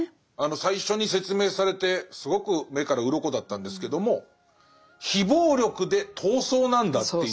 最初に説明されてすごく目から鱗だったんですけども非暴力で闘争なんだっていう。